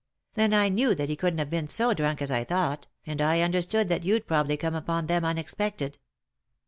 Then I knew that he couldn't have been so drunk as I thought, and I understood that you'd probably come upon them unexpected."